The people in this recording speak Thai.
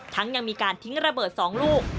ยังมีการทิ้งระเบิด๒ลูก